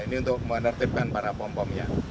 ini untuk menertibkan para pom pomnya